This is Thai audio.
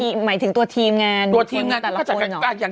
มีที่หมายถึงที่มีแต่คนแต่ละคน